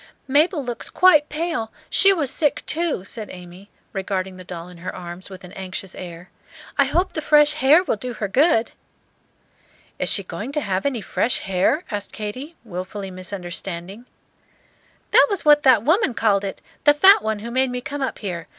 "Mabel looks quite pale; she was sick, too," said Amy, regarding the doll in her arms with an anxious air. "I hope the fresh h'air will do her good." "Is she going to have any fresh hair?" asked Katy, wilfully misunderstanding. "That was what that woman called it, the fat one who made me come up here.